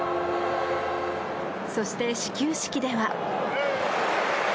そして始球式では。